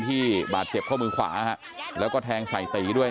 ที่จับบาดเข้ามือขวาแล้วก็แทงใส่ตี้ด้วย